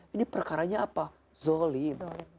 ini perkaranya apa zolim